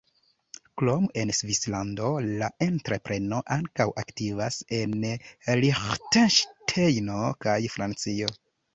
Krom en Svislando la entrepreno ankaŭ aktivas en Liĥtenŝtejno kaj Francio.